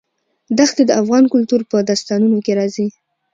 دښتې د افغان کلتور په داستانونو کې راځي.